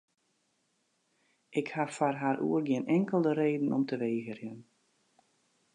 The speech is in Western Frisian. Ik ha foar har oer gjin inkelde reden om te wegerjen.